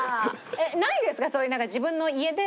ないですか？